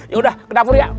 ya udah ke dapur ya